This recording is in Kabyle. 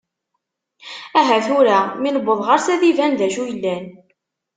Aha tura, mi neweḍ ɣer-s ad iban d acu yellan.